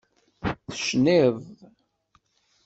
Tecnid.